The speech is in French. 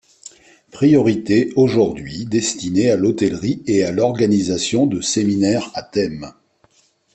Propriété aujourd'hui destinée à l'hôtellerie et à l'organisation de séminaires à thèmes.